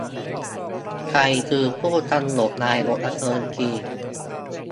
ใครคือผู้กำหนดนายกรัฐมนตรี